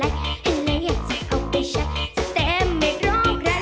เห็นเหลืออยากจะเอาไปใช้แต่ไม่รอบรัน